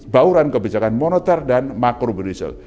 bauran kebijakan moneter dan macro bidisel